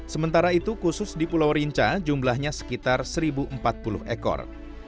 sementara itu khusus di pulau rinca jumlahnya sekitar satu empat puluh ekor